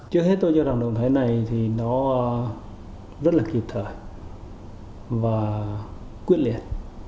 trước hết tôi cho rằng động thái này thì nó rất là kịp thời và quyết liệt